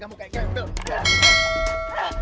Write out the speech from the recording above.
kamu kayak gendong